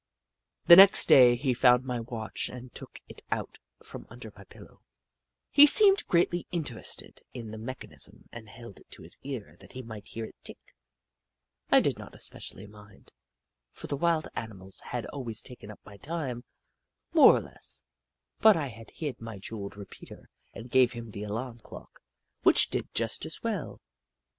The next day, he found my watch and took it out from under my pillow. He seemed Hoot Mon 213 greatly interested in the mechanism and held it to his ear that he might hear it tick. I did not especially mind, for the wild animals had always taken up my time, more or less, but I hid my jewelled repeater and gave him the alarm clock, which did just as well.